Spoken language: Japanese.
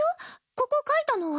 ここ書いたの私。